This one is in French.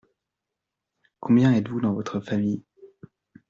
Combien êtes-vous dans votre famille ?